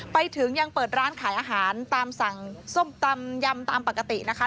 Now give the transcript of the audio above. ไปถึงยังเปิดร้านขายอาหารตามสั่งส้มตำยำตามปกตินะคะ